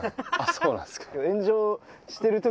そうなんですか。